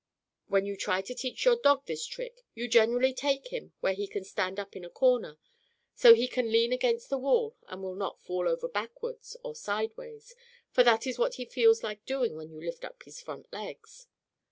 When you try to teach your dog this trick, you generally take him where he can stand up in a corner, so he can lean against the wall and will not fall over backwards or sideways; for that is what he feels like doing when you lift up his front legs.